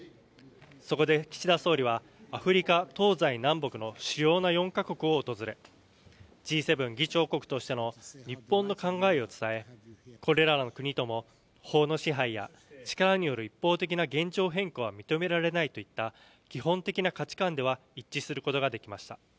そこで岸田総理はアフリカ東西南北の主要な４か国を訪れＧ７議長国としての日本の考えを伝え、これらの国との法の支配や、力による一方的な現状変更は認められないといった基本的な価値観では一致することができました。